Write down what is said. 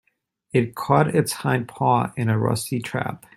It caught its hind paw in a rusty trap.